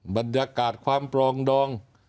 บรรยากาศความปลองดอง